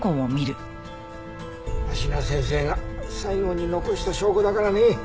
芦名先生が最後に残した証拠だからね。